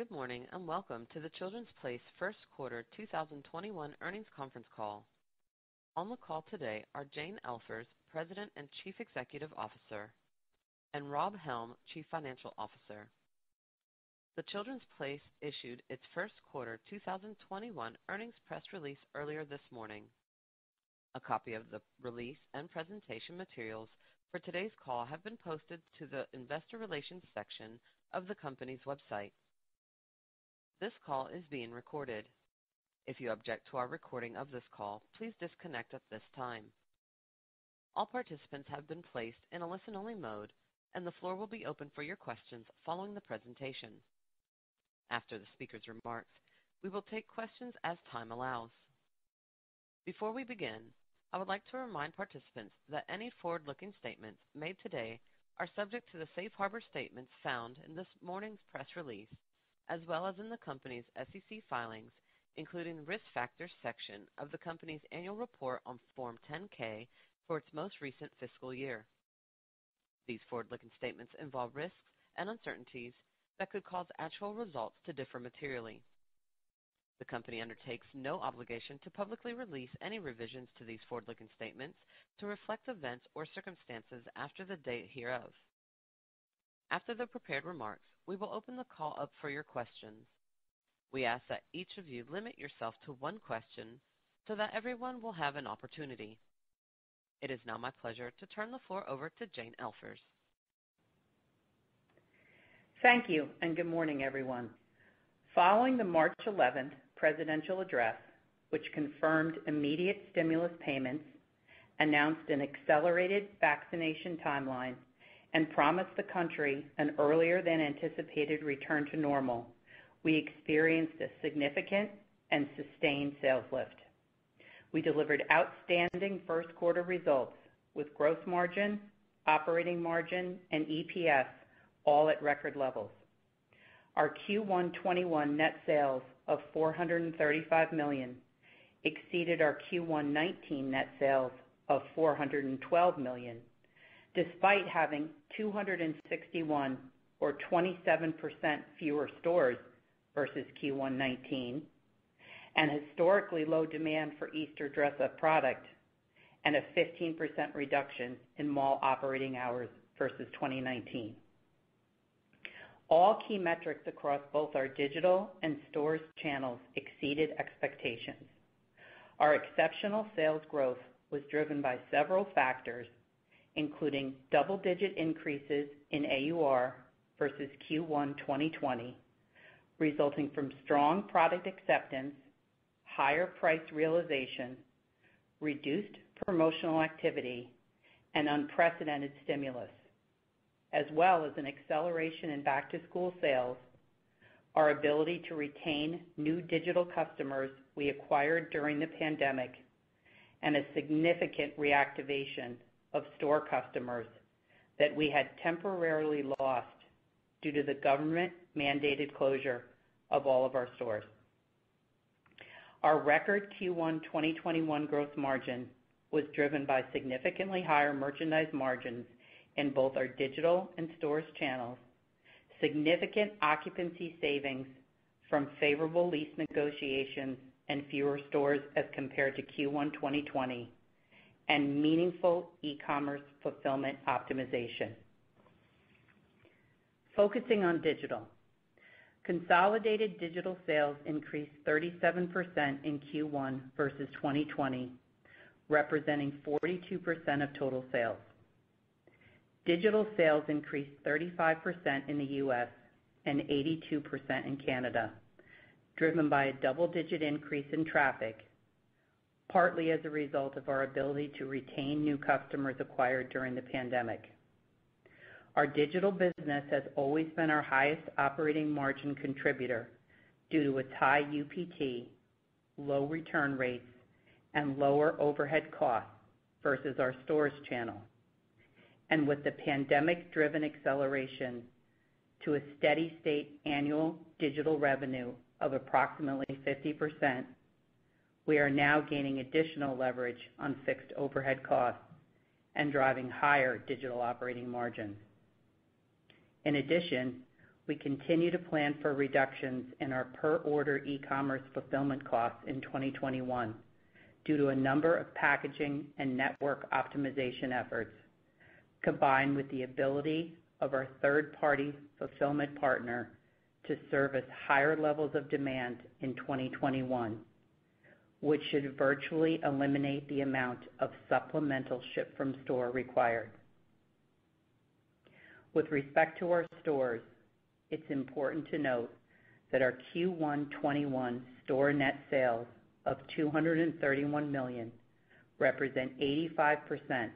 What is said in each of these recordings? Good morning, and welcome to The Children’s Place first quarter 2021 earnings conference call. On the call today are Jane Elfers, President and Chief Executive Officer, and Rob Helm, Chief Financial Officer. The Children’s Place issued its first quarter 2021 earnings press release earlier this morning. A copy of the release and presentation materials for today’s call have been posted to the investor relations section of the company’s website. This call is being recorded. If you object to our recording of this call, please disconnect at this time. All participants have been placed in a listen-only mode, and the floor will be open for your questions following the presentation. After the speakers' remarks, we will take questions as time allows. Before we begin, I would like to remind participants that any forward-looking statements made today are subject to the safe harbor statements found in this morning’s press release, as well as in the company’s SEC filings, including Risk Factors section of the company’s annual report on Form 10-K for its most recent fiscal year. These forward-looking statements involve risks and uncertainties that could cause actual results to differ materially. The company undertakes no obligation to publicly release any revisions to these forward-looking statements to reflect events or circumstances after the date hereof. After the prepared remarks, we will open the call up for your questions. We ask that each of you limit yourself to one question so that everyone will have an opportunity. It is now my pleasure to turn the floor over to Jane Elfers. Thank you, good morning, everyone. Following the March 11th presidential address, which confirmed immediate stimulus payments, announced an accelerated vaccination timeline, and promised the country an earlier than anticipated return to normal, we experienced a significant and sustained sales lift. We delivered outstanding first quarter results with gross margin, operating margin, and EPS all at record levels. Our Q1 2021 net sales of $435 million exceeded our Q1 2019 net sales of $412 million, despite having 261 or 27% fewer stores versus Q1 2019, and historically low demand for Easter dress-up product, and a 15% reduction in mall operating hours versus 2019. All key metrics across both our digital and stores channels exceeded expectations. Our exceptional sales growth was driven by several factors, including double-digit increases in AUR versus Q1 2020, resulting from strong product acceptance, higher price realization, reduced promotional activity, and unprecedented stimulus, as well as an acceleration in back-to-school sales, our ability to retain new digital customers we acquired during the pandemic, and a significant reactivation of store customers that we had temporarily lost due to the government-mandated closure of all of our stores. Our record Q1 2021 gross margin was driven by significantly higher merchandise margins in both our digital and stores channels, significant occupancy savings from favorable lease negotiations and fewer stores as compared to Q1 2020, and meaningful e-commerce fulfillment optimization. Focusing on digital. Consolidated digital sales increased 37% in Q1 versus 2020, representing 42% of total sales. Digital sales increased 35% in the U.S. and 82% in Canada, driven by a double-digit increase in traffic, partly as a result of our ability to retain new customers acquired during the pandemic. Our digital business has always been our highest operating margin contributor due to its high UPT, low return rates, and lower overhead costs versus our stores channel. With the pandemic-driven acceleration to a steady state annual digital revenue of approximately 50%, we are now gaining additional leverage on fixed overhead costs and driving higher digital operating margins. In addition, we continue to plan for reductions in our per order e-commerce fulfillment costs in 2021 due to a number of packaging and network optimization efforts, combined with the ability of our third-party fulfillment partner to service higher levels of demand in 2021, which should virtually eliminate the amount of supplemental ship from store required. With respect to our stores, it's important to note that our Q1 2021 store net sales of $231 million represent 85%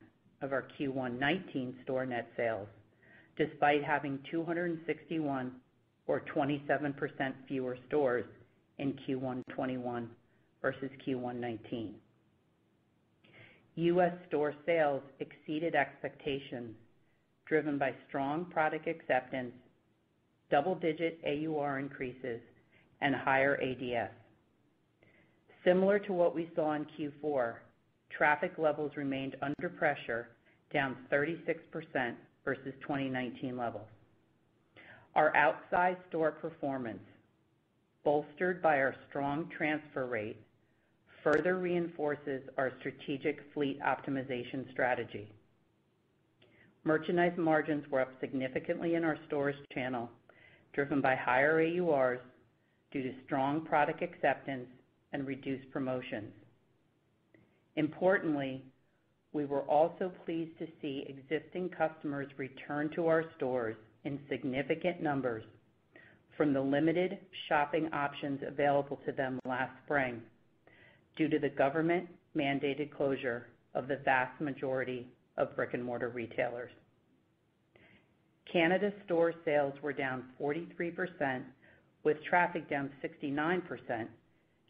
of our Q1 2019 store net sales, despite having 261 or 27% fewer stores in Q1 2021 versus Q1 2019. U.S. store sales exceeded expectations, driven by strong product acceptance, double-digit AUR increases, and higher ADS. Similar to what we saw in Q4, traffic levels remained under pressure, down 36% versus 2019 levels. Our outside store performance, bolstered by our strong transfer rates, further reinforces our strategic fleet optimization strategy. Merchandise margins were up significantly in our stores channel, driven by higher AURs due to strong product acceptance and reduced promotions. Importantly, we were also pleased to see existing customers return to our stores in significant numbers from the limited shopping options available to them last spring due to the government-mandated closure of the vast majority of brick-and-mortar retailers. Canada store sales were down 43%, with traffic down 69%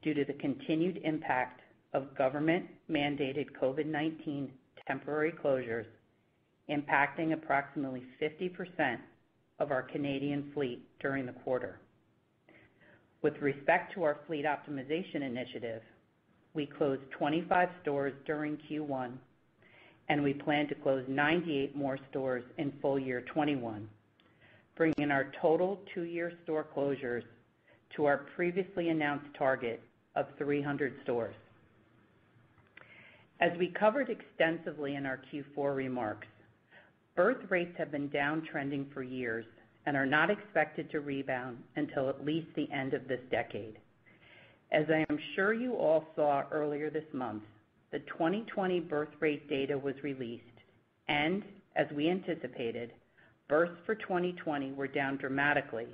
due to the continued impact of government-mandated COVID-19 temporary closures, impacting approximately 50% of our Canadian fleet during the quarter. With respect to our fleet optimization initiative, we closed 25 stores during Q1, and we plan to close 98 more stores in full year 2021, bringing our total two-year store closures to our previously announced target of 300 stores. As we covered extensively in our Q4 remarks, birth rates have been downtrending for years and are not expected to rebound until at least the end of this decade. As I am sure you all saw earlier this month, the 2020 birth rate data was released, and as we anticipated, births for 2020 were down dramatically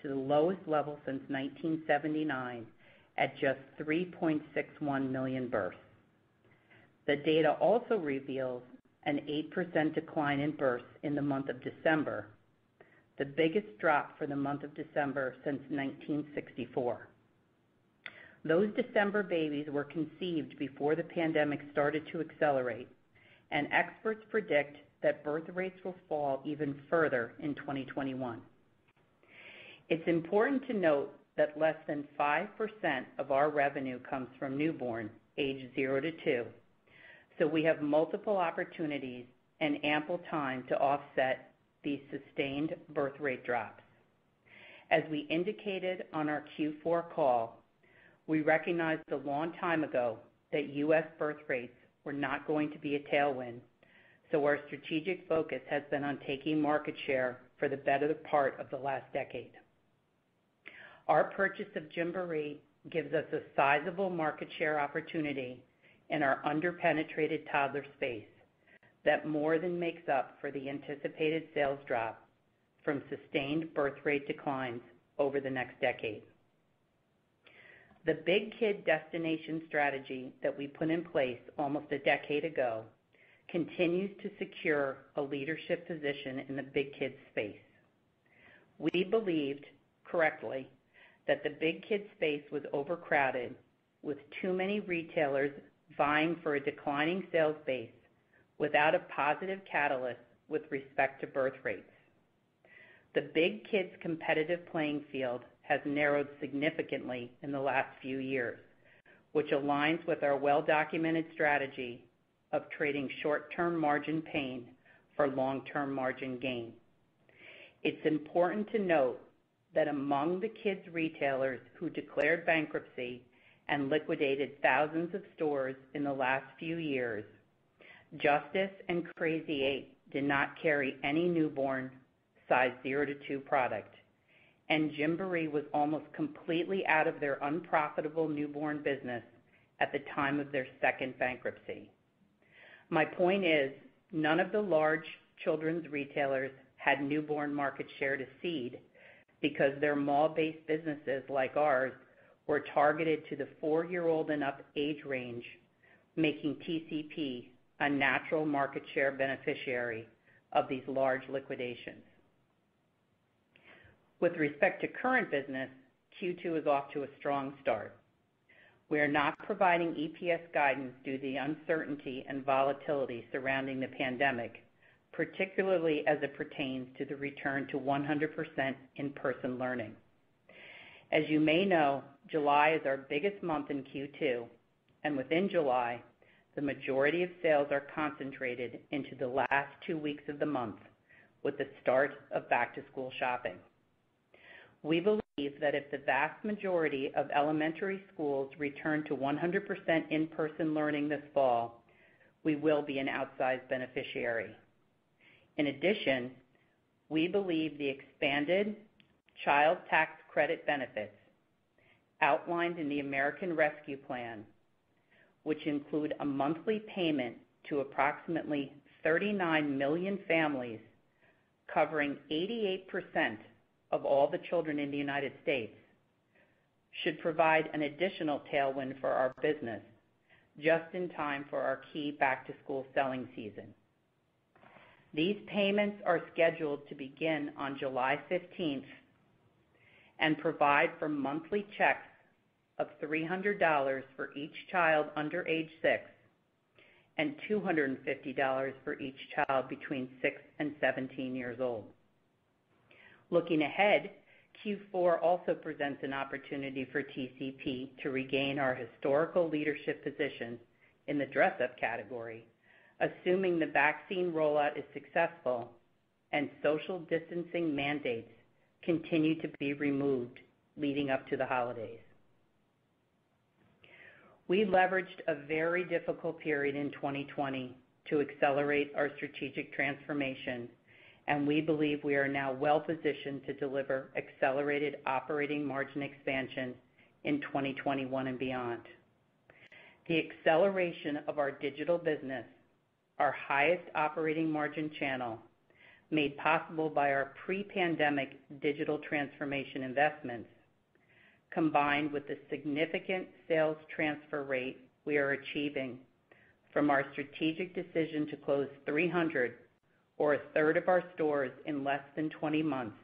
to the lowest level since 1979 at just 3.61 million births. The data also reveals an 8% decline in births in the month of December, the biggest drop for the month of December since 1964. Those December babies were conceived before the pandemic started to accelerate, and experts predict that birth rates will fall even further in 2021. It's important to note that less than 5% of our revenue comes from newborns age zero to two, so we have multiple opportunities and ample time to offset these sustained birth rate drops. As we indicated on our Q4 call, we recognized a long time ago that U.S. birth rates were not going to be a tailwind, so our strategic focus has been on taking market share for the better part of the last decade. Our purchase of Gymboree gives us a sizable market share opportunity in our under-penetrated toddler space that more than makes up for the anticipated sales drop from sustained birth rate declines over the next decade. The big kid destination strategy that we put in place almost a decade ago continues to secure a leadership position in the big kids space. We believed, correctly, that the big kids space was overcrowded with too many retailers vying for a declining sales base without a positive catalyst with respect to birth rates. The big kids' competitive playing field has narrowed significantly in the last few years, which aligns with our well-documented strategy of trading short-term margin pain for long-term margin gain. It's important to note that among the kids' retailers who declared bankruptcy and liquidated thousands of stores in the last few years, Justice and Crazy 8 did not carry any newborn size zero to two product, and Gymboree was almost completely out of their unprofitable newborn business at the time of their second bankruptcy. My point is, none of the large children's retailers had newborn market share to cede because their mall-based businesses, like ours, were targeted to the four-year-old and up age range, making TCP a natural market share beneficiary of these large liquidations. With respect to current business, Q2 is off to a strong start. We are not providing EPS guidance due to the uncertainty and volatility surrounding the pandemic, particularly as it pertains to the return to 100% in-person learning. As you may know, July is our biggest month in Q2, and within July, the majority of sales are concentrated into the last two weeks of the month with the start of back-to-school shopping. We believe that if the vast majority of elementary schools return to 100% in-person learning this fall, we will be an outsized beneficiary. In addition, we believe the expanded Child Tax Credit benefits outlined in the American Rescue Plan, which include a monthly payment to approximately 39 million families covering 88% of all the children in the United States, should provide an additional tailwind for our business just in time for our key back-to-school selling season. These payments are scheduled to begin on July 15th and provide for monthly checks of $300 for each child under age six and $250 for each child between six and 17 years old. Looking ahead, Q4 also presents an opportunity for TCP to regain our historical leadership position in the dress up category, assuming the vaccine rollout is successful and social distancing mandates continue to be removed leading up to the holidays. We leveraged a very difficult period in 2020 to accelerate our strategic transformation, and we believe we are now well-positioned to deliver accelerated operating margin expansion in 2021 and beyond. The acceleration of our digital business, our highest operating margin channel, made possible by our pre-pandemic digital transformation investments, combined with the significant sales transfer rate we are achieving from our strategic decision to close 300 or a third of our stores in less than 20 months,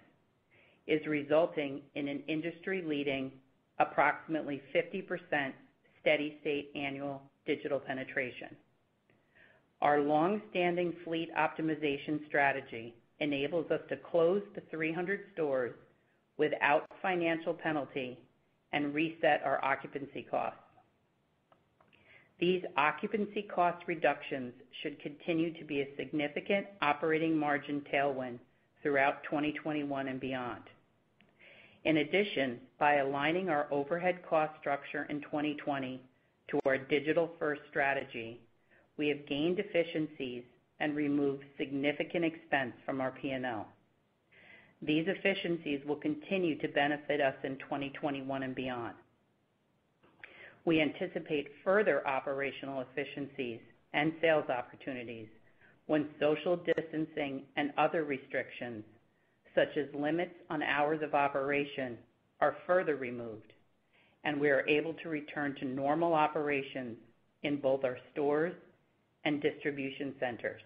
is resulting in an industry-leading, approximately 50% steady state annual digital penetration. Our longstanding fleet optimization strategy enables us to close 300 stores without financial penalty and reset our occupancy costs. These occupancy cost reductions should continue to be a significant operating margin tailwind throughout 2021 and beyond. In addition, by aligning our overhead cost structure in 2020 to our digital-first strategy, we have gained efficiencies and removed significant expense from our P&L. These efficiencies will continue to benefit us in 2021 and beyond. We anticipate further operational efficiencies and sales opportunities when social distancing and other restrictions, such as limits on hours of operation, are further removed, and we are able to return to normal operations in both our stores and distribution centers.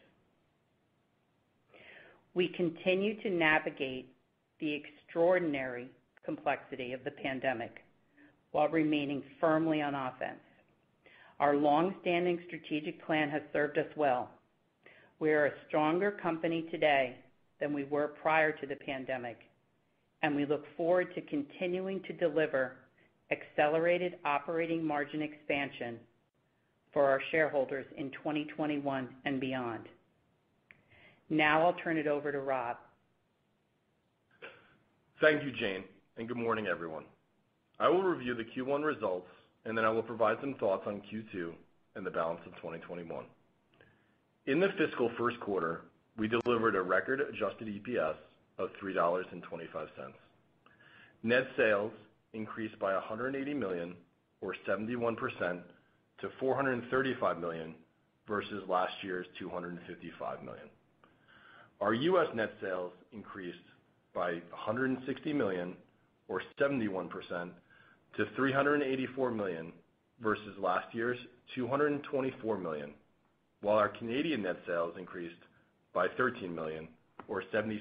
We continue to navigate the extraordinary complexity of the pandemic while remaining firmly on offense. Our longstanding strategic plan has served us well. We are a stronger company today than we were prior to the pandemic, and we look forward to continuing to deliver accelerated operating margin expansion for our shareholders in 2021 and beyond. Now I'll turn it over to Rob. Thank you, Jane, good morning, everyone. I will review the Q1 results, then I will provide some thoughts on Q2 and the balance of 2021. In the fiscal first quarter, we delivered a record adjusted EPS of $3.25. Net sales increased by $180 million or 71% to $435 million versus last year's $255 million. Our U.S. net sales increased by $160 million or 71% to $384 million versus last year's $224 million. While our Canadian net sales increased by $13 million or 76%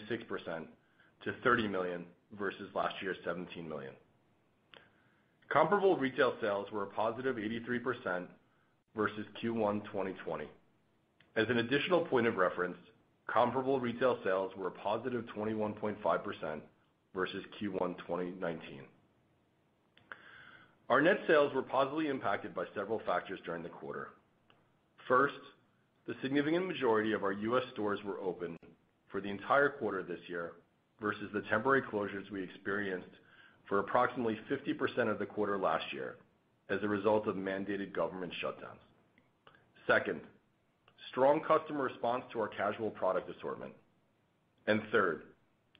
to $30 million versus last year's $17 million. Comparable retail sales were a positive 83% versus Q1 2020. As an additional point of reference, comparable retail sales were a positive 21.5% versus Q1 2019. Our net sales were positively impacted by several factors during the quarter. First, the significant majority of our U.S. stores were open for the entire quarter this year versus the temporary closures we experienced for approximately 50% of the quarter last year as a result of mandated government shutdowns. Second, strong customer response to our casual product assortment. Third,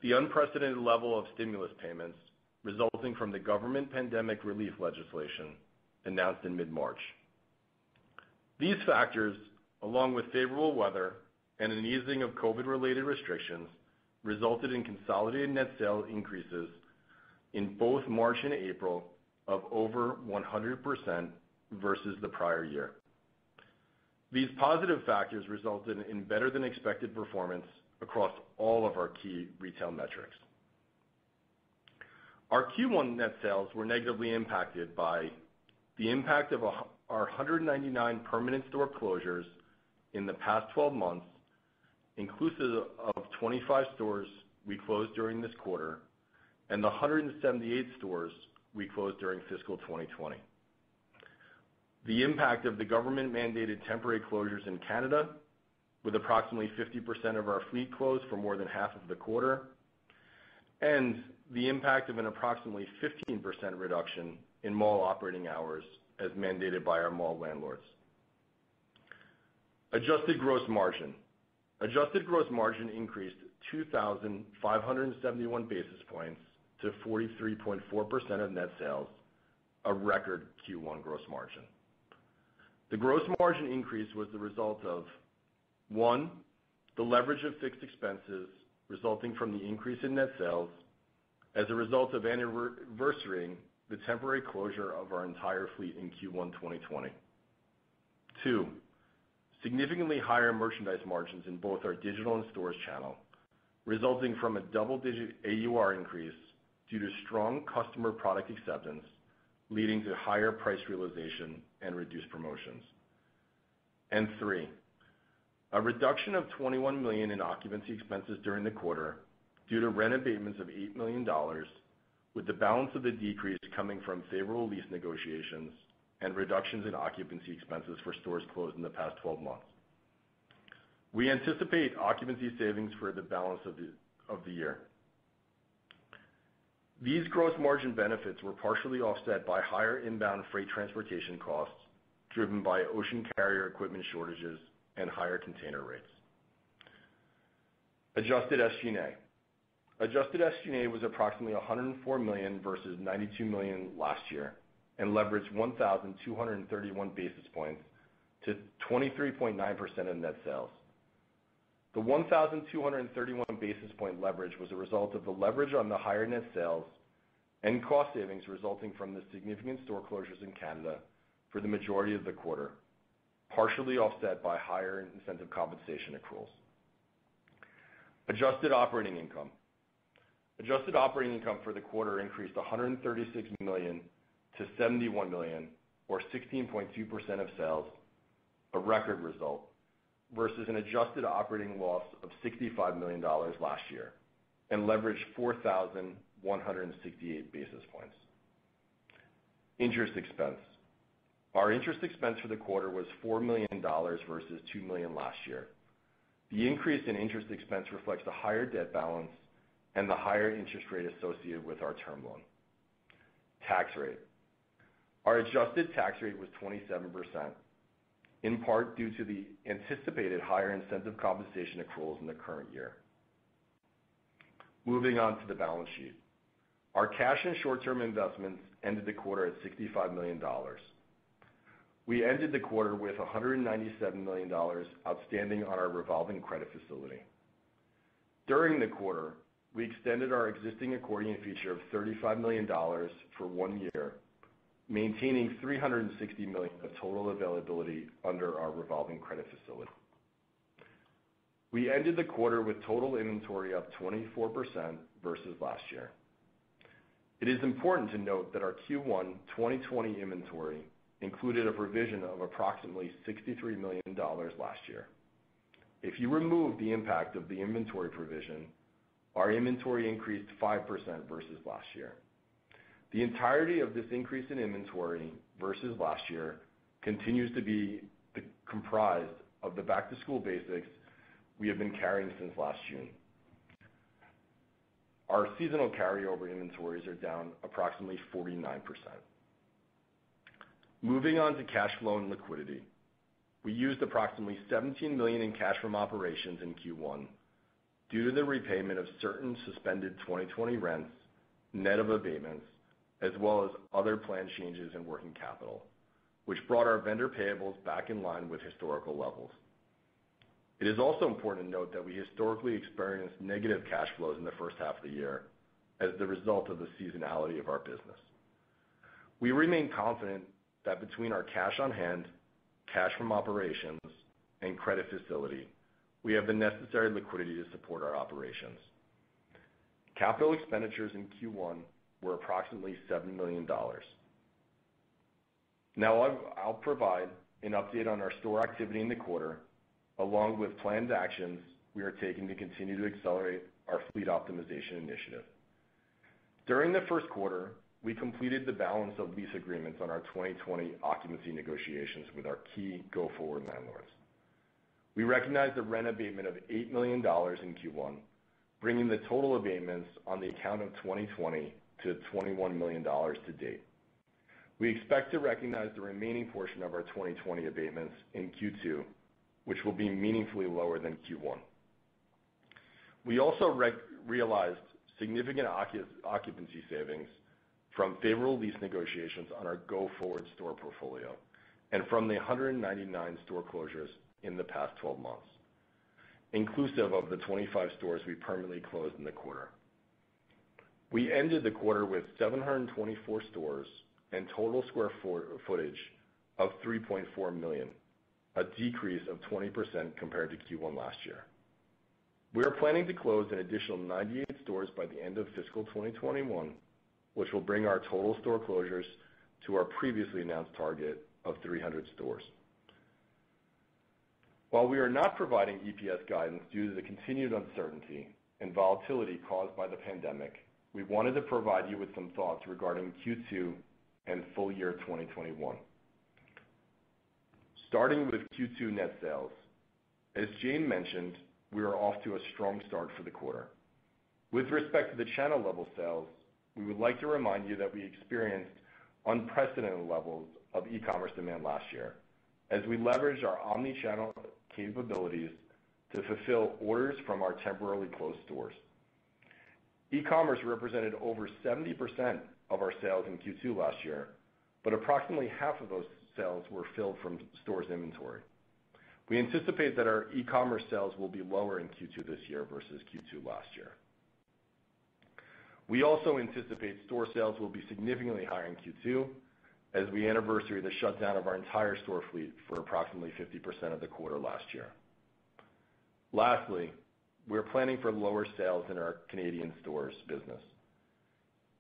the unprecedented level of stimulus payments resulting from the government pandemic relief legislation announced in mid-March. These factors, along with favorable weather and an easing of COVID-related restrictions, resulted in consolidated net sales increases in both March and April of over 100% versus the prior year. These positive factors resulted in better-than-expected performance across all of our key retail metrics. Our Q1 net sales were negatively impacted by the impact of our 199 permanent store closures in the past 12 months, inclusive of 25 stores we closed during this quarter and 178 stores we closed during fiscal 2020. The impact of the government-mandated temporary closures in Canada, with approximately 50% of our fleet closed for more than half of the quarter, and the impact of an approximately 15% reduction in mall operating hours as mandated by our mall landlords. Adjusted gross margin. Adjusted gross margin increased 2,571 basis points to 43.4% of net sales, a record Q1 gross margin. The gross margin increase was the result of, one, the leverage of fixed expenses resulting from the increase in net sales as a result of anniversarying the temporary closure of our entire fleet in Q1 2020. Two, significantly higher merchandise margins in both our digital and stores channel, resulting from a double-digit AUR increase due to strong customer product acceptance, leading to higher price realization and reduced promotions. Three, a reduction of $21 million in occupancy expenses during the quarter due to rent abatements of $8 million, with the balance of the decrease coming from favorable lease negotiations and reductions in occupancy expenses for stores closed in the past 12 months. We anticipate occupancy savings for the balance of the year. These gross margin benefits were partially offset by higher inbound freight transportation costs driven by ocean carrier equipment shortages and higher container rates. Adjusted SG&A. Adjusted SG&A was approximately $104 million versus $92 million last year and leveraged 1,231 basis points to 23.9% of net sales. The 1,231 basis point leverage was a result of the leverage on the higher net sales and cost savings resulting from the significant store closures in Canada for the majority of the quarter, partially offset by higher incentive compensation accruals. Adjusted operating income for the quarter increased $136 million to $71 million or 16.2% of sales, a record result, versus an adjusted operating loss of $65 million last year and leveraged 4,168 basis points. Interest expense. Our interest expense for the quarter was $4 million versus $2 million last year. The increase in interest expense reflects the higher debt balance and the higher interest rate associated with our term loan. Tax rate. Our adjusted tax rate was 27%, in part due to the anticipated higher incentive compensation accruals in the current year. Moving on to the balance sheet. Our cash and short-term investments ended the quarter at $65 million. We ended the quarter with $197 million outstanding on our revolving credit facility. During the quarter, we extended our existing accordion feature of $35 million for one year, maintaining $360 million of total availability under our revolving credit facility. We ended the quarter with total inventory up 24% versus last year. It is important to note that our Q1 2020 inventory included a provision of approximately $63 million last year. If you remove the impact of the inventory provision, our inventory increased 5% versus last year. The entirety of this increase in inventory versus last year continues to be comprised of the back-to-school basics we have been carrying since last June. Our seasonal carryover inventories are down approximately 49%. Moving on to cash flow and liquidity. We used approximately $17 million in cash from operations in Q1 due to the repayment of certain suspended 2020 rents, net of abatements, as well as other planned changes in working capital, which brought our vendor payables back in line with historical levels. It is also important to note that we historically experienced negative cash flows in the first half of the year as the result of the seasonality of our business. We remain confident that between our cash on hand, cash from operations, and credit facility, we have the necessary liquidity to support our operations. Capital expenditures in Q1 were approximately $7 million. I'll provide an update on our store activity in the quarter, along with planned actions we are taking to continue to accelerate our fleet optimization initiative. During the first quarter, we completed the balance of lease agreements on our 2020 occupancy negotiations with our key go-forward landlords. We recognized a rent abatement of $8 million in Q1, bringing the total abatements on the account of 2020 to $21 million to date. We expect to recognize the remaining portion of our 2020 abatements in Q2, which will be meaningfully lower than Q1. We also realized significant occupancy savings from favorable lease negotiations on our go-forward store portfolio and from the 199 store closures in the past 12 months, inclusive of the 25 stores we permanently closed in the quarter. We ended the quarter with 724 stores and total square footage of 3.4 million, a decrease of 20% compared to Q1 last year. We are planning to close an additional 98 stores by the end of fiscal 2021, which will bring our total store closures to our previously announced target of 300 stores. While we are not providing EPS guidance due to the continued uncertainty and volatility caused by the pandemic, we wanted to provide you with some thoughts regarding Q2 and full year 2021. Starting with Q2 net sales. As Jane mentioned, we are off to a strong start for the quarter. With respect to the channel level sales, we would like to remind you that we experienced unprecedented levels of e-commerce demand last year as we leveraged our omnichannel capabilities to fulfill orders from our temporarily closed stores. E-commerce represented over 70% of our sales in Q2 last year, approximately half of those sales were filled from stores inventory. We anticipate that our e-commerce sales will be lower in Q2 this year versus Q2 last year. We also anticipate store sales will be significantly higher in Q2 as we anniversary the shutdown of our entire store fleet for approximately 50% of the quarter last year. Lastly, we're planning for lower sales in our Canadian stores business.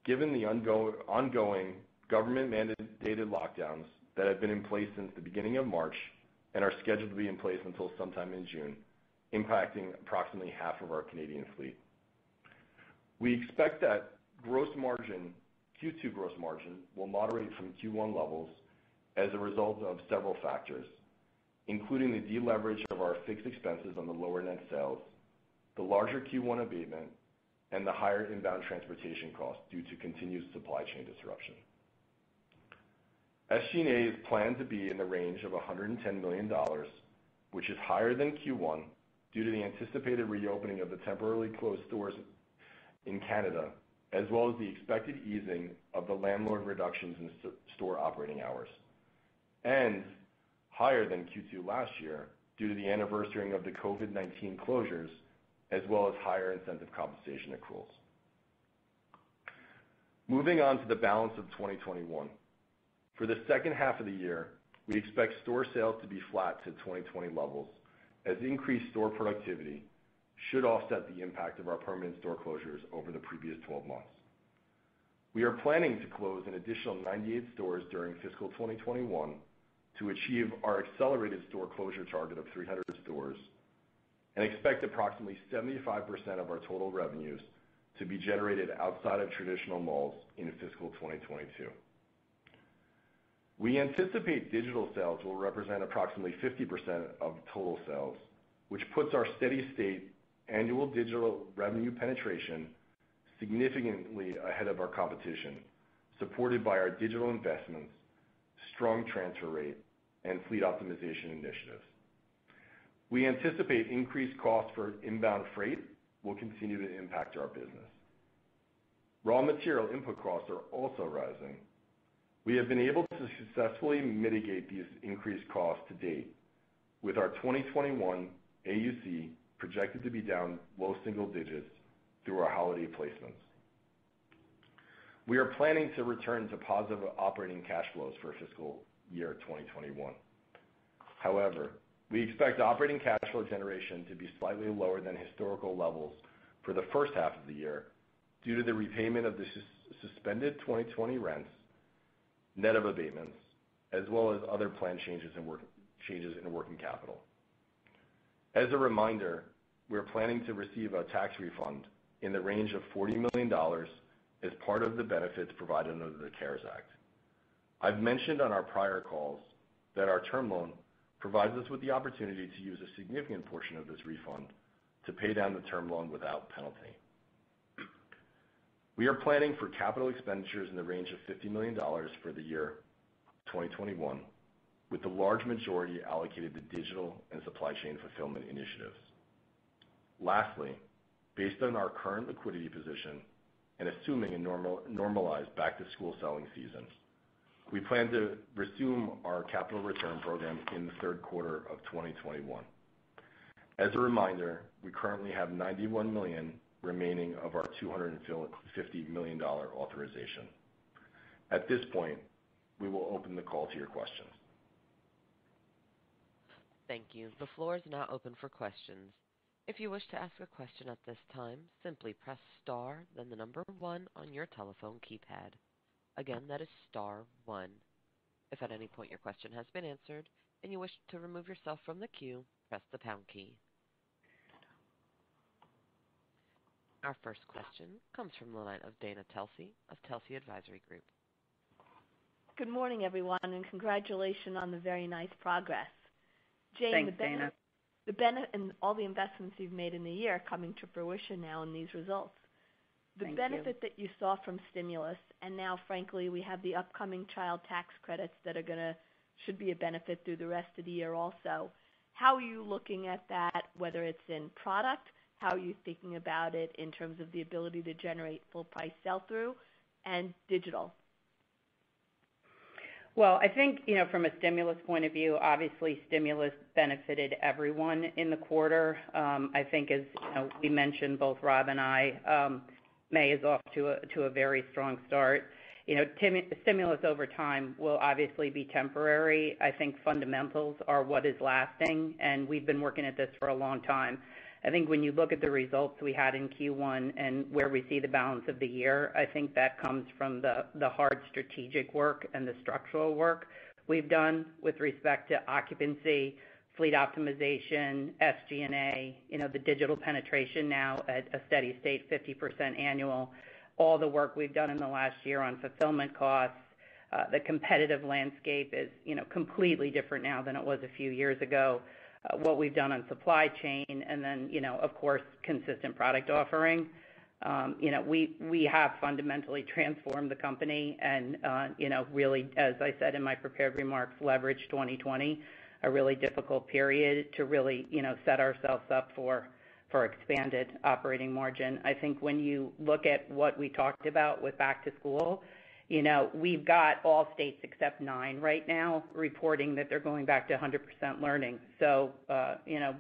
Given the ongoing government-mandated lockdowns that have been in place since the beginning of March and are scheduled to be in place until sometime in June, impacting approximately half of our Canadian fleet. We expect that Q2 gross margin will moderate from Q1 levels as a result of several factors, including the deleverage of our fixed expenses on the lower net sales, the larger Q1 abatement, and the higher inbound transportation costs due to continued supply chain disruption. SG&A is planned to be in the range of $110 million, which is higher than Q1 due to the anticipated reopening of the temporarily closed stores in Canada, as well as the expected easing of the landlord reductions in store operating hours, and higher than Q2 last year due to the anniversarying of the COVID-19 closures, as well as higher incentive compensation accruals. Moving on to the balance of 2021. For the second half of the year, we expect store sales to be flat to 2020 levels as increased store productivity should offset the impact of our permanent store closures over the previous 12 months. We are planning to close an additional 98 stores during fiscal 2021 to achieve our accelerated store closure target of 300 stores and expect approximately 75% of our total revenues to be generated outside of traditional malls into fiscal 2022. We anticipate digital sales will represent approximately 50% of total sales, which puts our steady-state annual digital revenue penetration significantly ahead of our competition, supported by our digital investments, strong transfer rate, and fleet optimization initiatives. We anticipate increased costs for inbound freight will continue to impact our business. Raw material input costs are also rising. We have been able to successfully mitigate these increased costs to date with our 2021 AUC projected to be down low single digits through our holiday placements. We are planning to return to positive operating cash flows for fiscal year 2021. However, we expect operating cash flow generation to be slightly lower than historical levels for the first half of the year due to the repayment of the suspended 2020 rents, net of abatements, as well as other planned changes in working capital. As a reminder, we're planning to receive a tax refund in the range of $40 million as part of the benefits provided under the CARES Act. I've mentioned on our prior calls that our term loan provides us with the opportunity to use a significant portion of this refund to pay down the term loan without penalty. We are planning for capital expenditures in the range of $50 million for the year 2021, with the large majority allocated to digital and supply chain fulfillment initiatives. Lastly, based on our current liquidity position and assuming a normalized back-to-school selling season, we plan to resume our capital return program in the third quarter of 2021. As a reminder, we currently have $91 million remaining of our $250 million authorization. At this point, we will open the call to your questions. Thank you. The floor is now open for questions, if you wish to ask a question at this time, simply press star, then number one on your telephone keypad. Again that is star one. If at any point your question has been answered if you wish to remove yourself from the queue press the pound key. Our first question comes from the line of Dana Telsey of Telsey Advisory Group. Good morning, everyone, and congratulations on the very nice progress. Thanks, Dana. Jane, the benefit and all the investments you've made in the year are coming to fruition now in these results. Thank you. The benefit that you saw from stimulus, and now frankly, we have the upcoming Child Tax Credit that should be a benefit through the rest of the year also. How are you looking at that, whether it's in product, how are you thinking about it in terms of the ability to generate full price sell-through and digital? Well, I think, from a stimulus point of view, obviously stimulus benefited everyone in the quarter. I think as we mentioned, both Rob and I, May is off to a very strong start. Stimulus over time will obviously be temporary. I think fundamentals are what is lasting, and we've been working at this for a long time. I think when you look at the results we had in Q1 and where we see the balance of the year, I think that comes from the hard strategic work and the structural work we've done with respect to occupancy, fleet optimization, SG&A, the digital penetration now at a steady state, 50% annual. All the work we've done in the last year on fulfillment costs, the competitive landscape is completely different now than it was a few years ago. What we've done on supply chain, and then, of course, consistent product offering. We have fundamentally transformed the company and really, as I said in my prepared remarks, leveraged 2020, a really difficult period, to really set ourselves up for expanded operating margin. I think when you look at what we talked about with back to school, we've got all states except nine right now reporting that they're going back to 100% learning.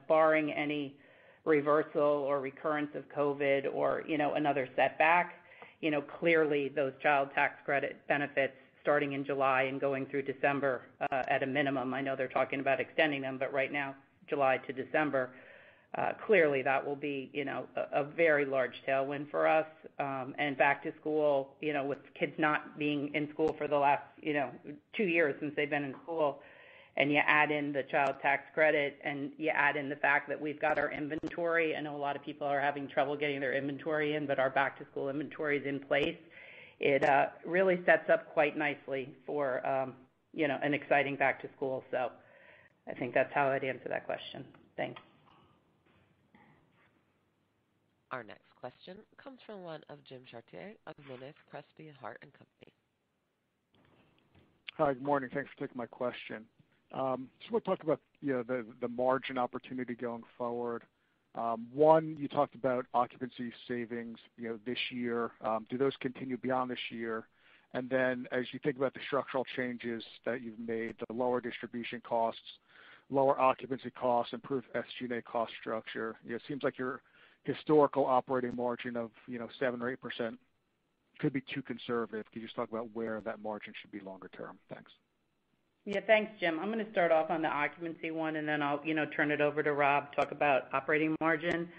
Barring any reversal or recurrence of COVID or another setback, clearly those Child Tax Credit benefits starting in July and going through December at a minimum, I know they're talking about extending them, but right now, July to December. Clearly, that will be a very large tailwind for us. Back to school, with kids not being in school for the last two years since they've been in school, and you add in the Child Tax Credit, and you add in the fact that we've got our inventory, and a lot of people are having trouble getting their inventory in, but our back-to-school inventory is in place. It really sets up quite nicely for an exciting back to school. I think that's how I'd answer that question. Thanks. Our next question comes from the line of Jim Chartier of Monness, Crespi, Hardt & Co. Hi, good morning. Thanks for taking my question. Just want to talk about the margin opportunity going forward. One, you talked about occupancy savings this year. Do those continue beyond this year? Then as you think about the structural changes that you've made, the lower distribution costs, lower occupancy costs, improved SG&A cost structure, it seems like your historical operating margin of 7% or 8% could be too conservative. Can you just talk about where that margin should be longer term? Thanks. Yeah. Thanks, Jim. I'm going to start off on the occupancy one, and then I'll turn it over to Rob to talk about operating margin.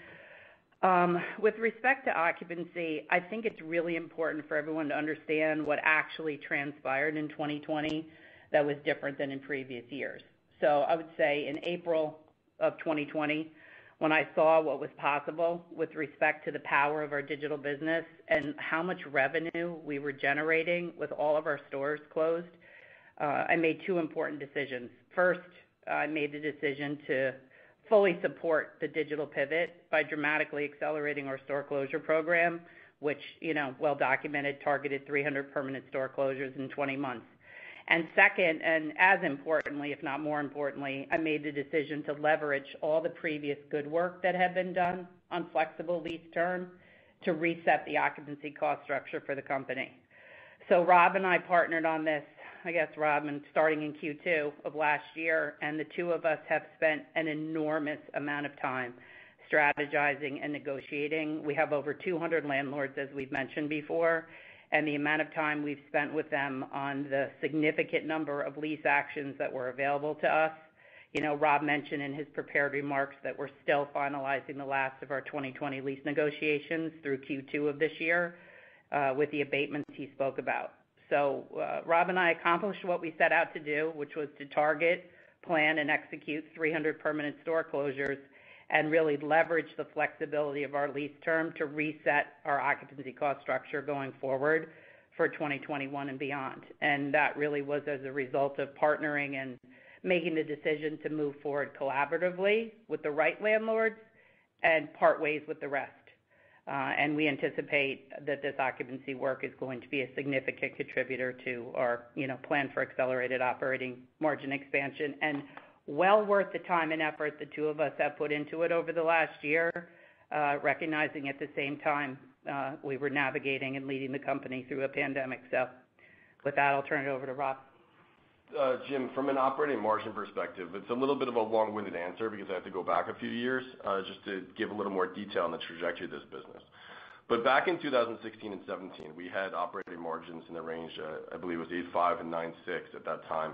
With respect to occupancy, I think it's really important for everyone to understand what actually transpired in 2020 that was different than in previous years. I would say in April of 2020, when I saw what was possible with respect to the power of our digital business and how much revenue we were generating with all of our stores closed, I made two important decisions. First, I made the decision to fully support the digital pivot by dramatically accelerating our store closure program, which well documented, targeted 300 permanent store closures in 20 months. Second, and as importantly, if not more importantly, I made the decision to leverage all the previous good work that had been done on flexible lease terms to reset the occupancy cost structure for the company. So Rob and I partnered on this, I guess, Rob, starting in Q2 of last year, and the two of us have spent an enormous amount of time strategizing and negotiating. We have over 200 landlords, as we've mentioned before. And the amount of time we've spent with them on the significant number of lease actions that were available to us. Rob mentioned in his prepared remarks that we're still finalizing the last of our 2020 lease negotiations through Q2 of this year with the abatements he spoke about. Rob and I accomplished what we set out to do, which was to target, plan, and execute 300 permanent store closures and really leverage the flexibility of our lease terms to reset our occupancy cost structure going forward for 2021 and beyond. That really was as a result of partnering and making the decision to move forward collaboratively with the right landlords and part ways with the rest. We anticipate that this occupancy work is going to be a significant contributor to our plan for accelerated operating margin expansion and well worth the time and effort the two of us have put into it over the last year, recognizing at the same time we were navigating and leading the company through a pandemic. With that, I'll turn it over to Rob. Jim, from an operating margin perspective, it's a little bit of a long-winded answer because I have to go back a few years just to give a little more detail on the trajectory of this business. Back in 2016 and 2017, we had operating margins in the range of, I believe it was 8.5% and 9.6% at that time,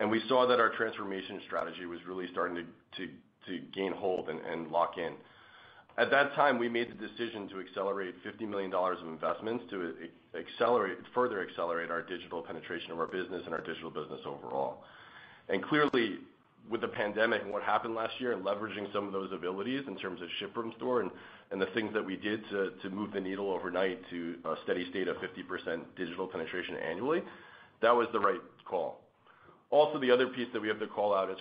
and we saw that our transformation strategy was really starting to gain hold and lock in. At that time, we made the decision to accelerate $50 million of investments to further accelerate our digital penetration of our business and our digital business overall. Clearly, with the pandemic and what happened last year and leveraging some of those abilities in terms of ship from store and the things that we did to move the needle overnight to a steady state of 50% digital penetration annually, that was the right call. The other piece that we have to call out is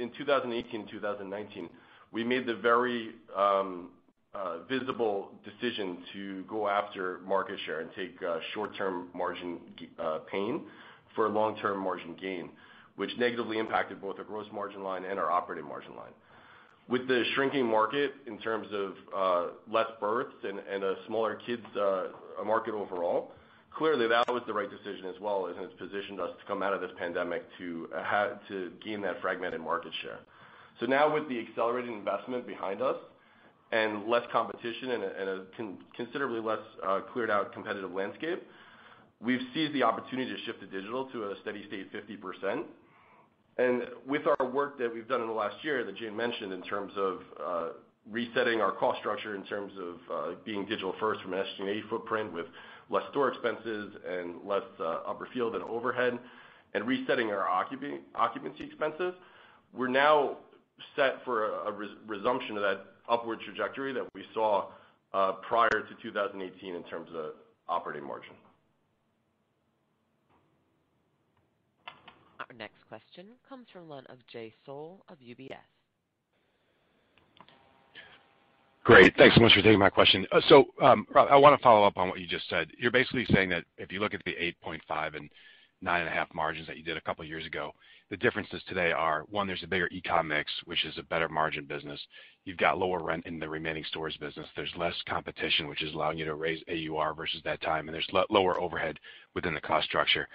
in 2018, 2019, we made the very visible decision to go after market share and take short-term margin pain for long-term margin gain, which negatively impacted both the gross margin line and our operating margin line. With the shrinking market in terms of less births and a smaller kids market overall, clearly that was the right decision as well and has positioned us to come out of this pandemic to gain that fragmented market share. Now with the accelerating investment behind us and less competition and considerably less cleared out competitive landscape, we see the opportunity to shift to digital to a steady state 50%. With our work that we've done in the last year that Jim mentioned in terms of resetting our cost structure in terms of being digital first from an SG&A footprint with less store expenses and less upper field and overhead and resetting our occupancy expenses, we're now set for a resumption of that upward trajectory that we saw prior to 2018 in terms of operating margin. Our next question comes from the line of Jay Sole of UBS. Great. Thanks so much for taking my question. I want to follow up on what you just said. You're basically saying that if you look at the 8.5 and 9.5 margins that you did a couple of years ago, the differences today are, one, there's a bigger e-com mix, which is a better margin business. You've got lower rent in the remaining stores business. There's less competition, which is allowing you to raise AUR versus that time, and there's lower overhead within the cost structure.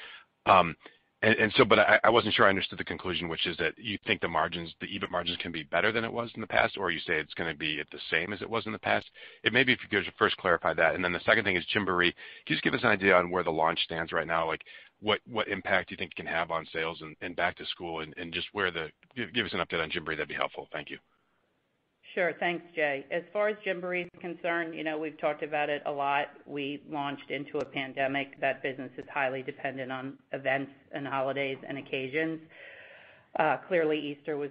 I wasn't sure I understood the conclusion, which is that you think the EBIT margins can be better than it was in the past, or you say it's going to be the same as it was in the past? Maybe if you could just first clarify that. The second thing is, Gymboree, can you just give us an idea on where the launch stands right now? What impact do you think it can have on sales and back to school and just give us an update on Gymboree, that'd be helpful? Thank you. Sure. Thanks, Jay. As far as Gymboree is concerned, we've talked about it a lot. We launched into a pandemic. That business is highly dependent on events and holidays and occasions. Clearly, Q1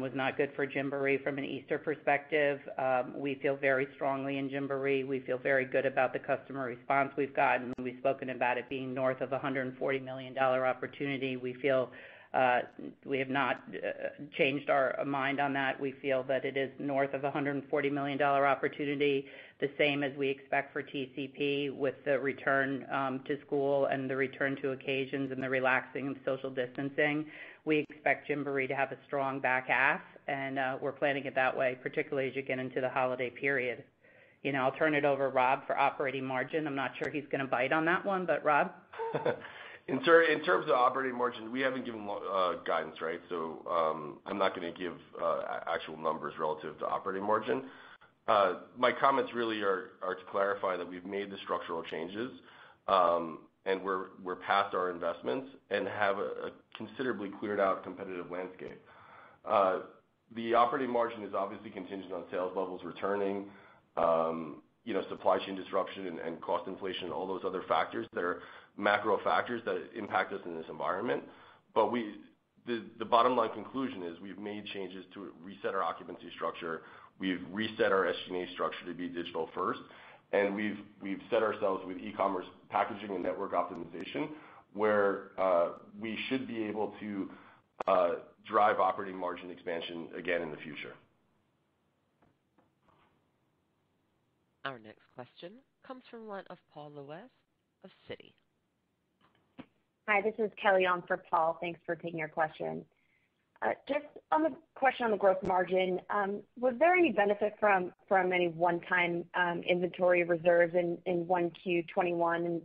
was not good for Gymboree from an Easter perspective. We feel very strongly in Gymboree. We feel very good about the customer response we've gotten. We've spoken about it being north of $140 million opportunity. We have not changed our mind on that. We feel that it is north of $140 million opportunity, the same as we expect for TCP with the return to school and the return to occasions and the relaxing of social distancing. We expect Gymboree to have a strong back half, and we're planning it that way, particularly as you get into the holiday period. I'll turn it over to Rob for operating margin. I'm not sure he's going to bite on that one, but Rob? In terms of operating margin, we haven't given guidance, right? I'm not going to give actual numbers relative to operating margin. My comments really are to clarify that we've made the structural changes, and we're past our investments and have a considerably cleared out competitive landscape. The operating margin is obviously contingent on sales levels returning, supply chain disruption and cost inflation, all those other factors that are macro factors that impact us in this environment. The bottom line conclusion is we've made changes to reset our occupancy structure. We've reset our SG&A structure to be digital first. We've set ourselves with e-commerce packaging and network optimization, where we should be able to drive operating margin expansion again in the future. Our next question comes from the line of Paul Lejuez of Citi. Hi, this is Kelly on for Paul. Thanks for taking our question. Just a question on the gross margin. Was there any benefit from any one-time inventory reserves in Q1 2021?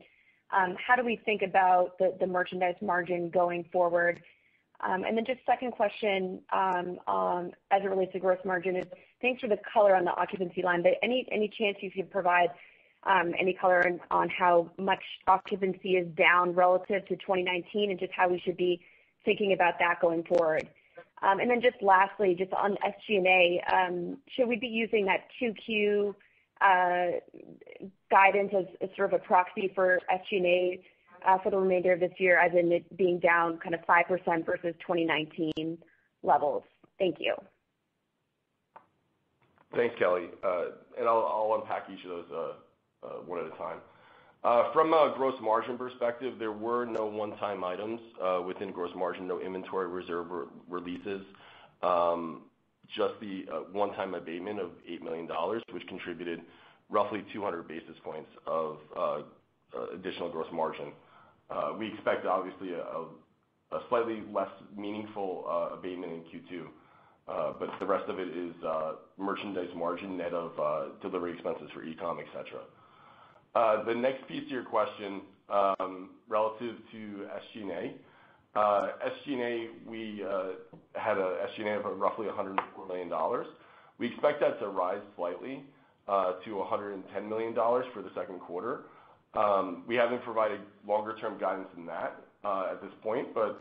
How do we think about the merchandise margin going forward? Just second question as it relates to gross margin. Thanks for the color on the occupancy line, but any chance you could provide any color on how much occupancy is down relative to 2019 and just how we should be thinking about that going forward? Lastly, just on SG&A, should we be using that Q2 guidance as sort of a proxy for SG&A for the remainder of this year, as in it being down 5% versus 2019 levels? Thank you. Thanks, Kelly. I'll unpack each of those one at a time. From a gross margin perspective, there were no one-time items within gross margin, no inventory reserve releases, just the one-time abatement of $8 million, which contributed roughly 200 basis points of additional gross margin. We expect obviously a slightly less meaningful abatement in Q2, the rest of it is merchandise margin net of delivery expenses for e-com, et cetera. The next piece of your question relative to SG&A. SG&A, we had an SG&A of roughly $100 million. We expect that to rise slightly to $110 million for the second quarter. We haven't provided longer term guidance than that at this point, but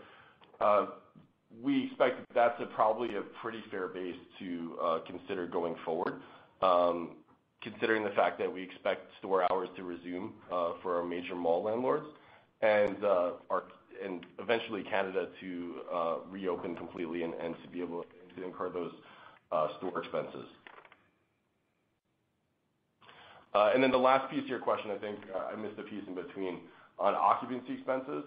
we expect that's probably a pretty fair base to consider going forward, considering the fact that we expect store hours to resume for our major mall landlords and eventually Canada to reopen completely and to be able to incur those store expenses. Then the last piece of your question, I think I missed a piece in between on occupancy expenses.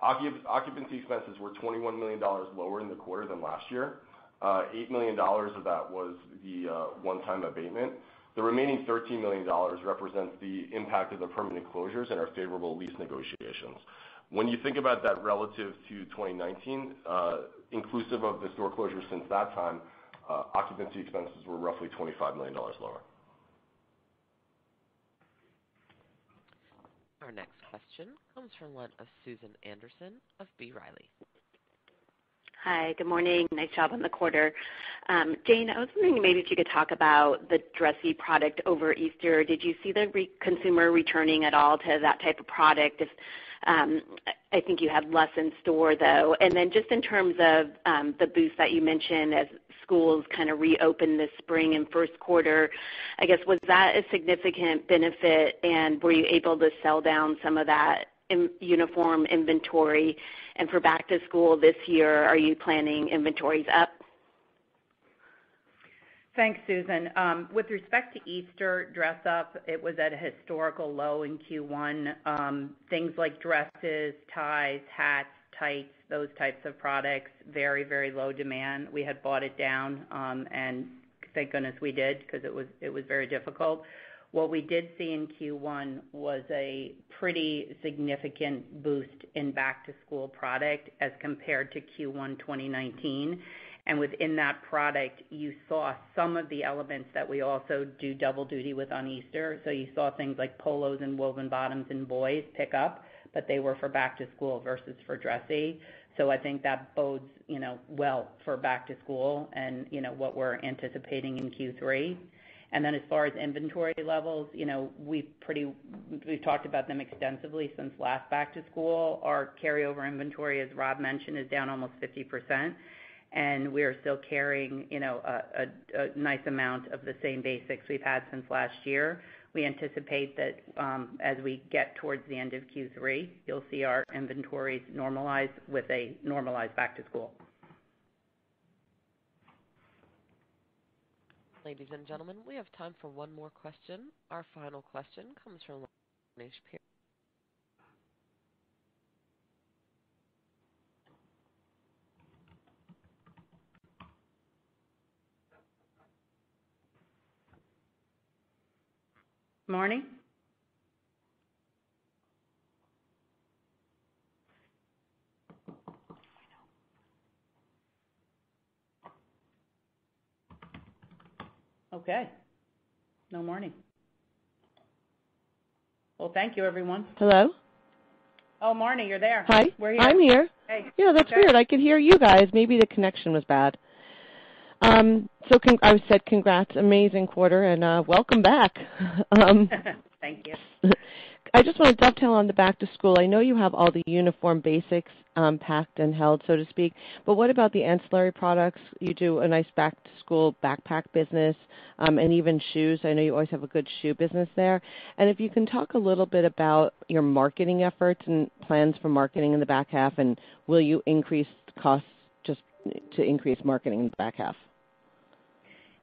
Occupancy expenses were $21 million lower in the quarter than last year. $8 million of that was the one-time abatement. The remaining $13 million represents the impact of the permanent closures and our favorable lease negotiations. When you think about that relative to 2019, inclusive of the store closures since that time, occupancy expenses were roughly $25 million lower. Our next question comes from the line of Susan Anderson of B. Riley. Hi, good morning. Nice job on the quarter. Jane, I was wondering maybe if you could talk about the dressy product over Easter. Did you see the consumer returning at all to that type of product? I think you have less in store, though. Then just in terms of the boost that you mentioned as schools kind of reopen this spring and first quarter, I guess, was that a significant benefit, and were you able to sell down some of that uniform inventory? For back to school this year, are you planning inventories up? Thanks, Susan. With respect to Easter dress up, it was at a historical low in Q1. Things like dresses, ties, hats, tights, those types of products, very low demand. We had bought it down, and thank goodness we did because it was very difficult. What we did see in Q1 was a pretty significant boost in back to school product as compared to Q1 2019. Within that product, you saw some of the elements that we also do double duty with on Easter. You saw things like polos and woven bottoms in boys pick up, but they were for back to school versus for dressy. I think that bodes well for back to school and what we're anticipating in Q3. As far as inventory levels, we've talked about them extensively since last back to school. Our carryover inventory, as Rob mentioned, is down almost 50%, and we are still carrying a nice amount of the same basics we've had since last year. We anticipate that as we get towards the end of Q3, you'll see our inventories normalize with a normalized back to school. Ladies and gentlemen, we have time for one more question. Our final question comes from. Marni? Okay. No Marni. Well, thank you, everyone. Hello? Oh, Marni, you're there. Hi. Where are you? I'm here. Hey. Yeah, that's weird. I could hear you guys. Maybe the connection was bad. I would say congrats. Amazing quarter and welcome back. Thank you. I just want to dovetail on the back to school. I know you have all the uniform basics packed and held, so to speak. What about the ancillary products? You do a nice back to school backpack business, and even shoes. I know you always have a good shoe business there. If you can talk a little bit about your marketing efforts and plans for marketing in the back half, and will you increase costs just to increase marketing in the back half?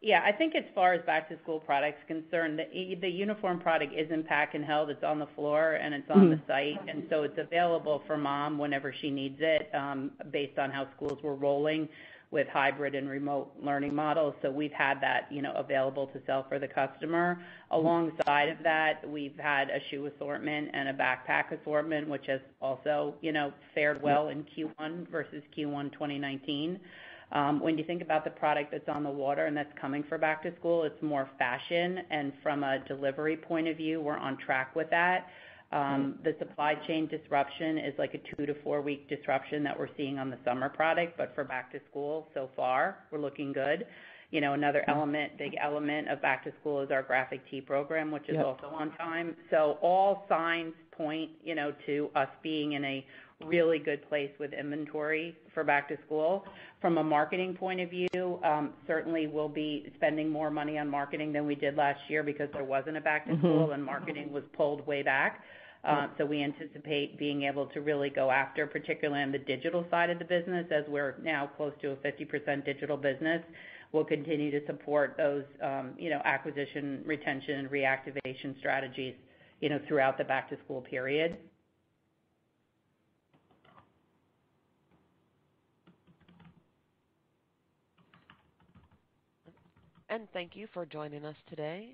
Yeah. I think as far as back to school products concerned, the uniform product isn't pack and held. It's on the floor and it's on the site. It's available for mom whenever she needs it, based on how schools were rolling with hybrid and remote learning models. We've had that available to sell for the customer. Alongside of that, we've had a shoe assortment and a backpack assortment, which has also fared well in Q1 versus Q1 2019. When you think about the product that's on the water and that's coming for back to school, it's more fashion. From a delivery point of view, we're on track with that. The supply chain disruption is a two to four-week disruption that we're seeing on the summer product. For back to school so far, we're looking good. Another big element of back to school is our graphic tee program, which is also on time. All signs point to us being in a really good place with inventory for back to school. From a marketing point of view, certainly we'll be spending more money on marketing than we did last year because there wasn't a back to school and marketing was pulled way back. We anticipate being able to really go after, particularly on the digital side of the business, as we're now close to a 50% digital business. We'll continue to support those acquisition, retention, reactivation strategies throughout the back to school period. Thank you for joining us today.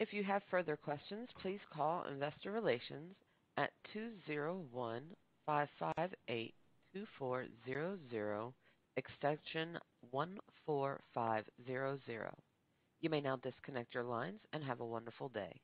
If you have further questions, please call investor relations at 201-558-2400, extension 14500. You may now disconnect your lines and have a wonderful day.